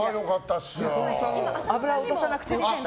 脂落とさなくてよかった。